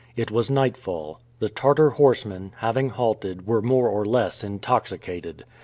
It was nightfall. The Tartar horsemen, having halted, were more or less intoxicated.